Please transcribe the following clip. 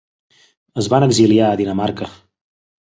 Es van exiliar a Dinamarca.